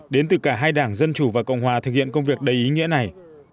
đến từ cả hai đảng dân chủ và cộng hòa thực hiện công việc đầy ý nghĩa này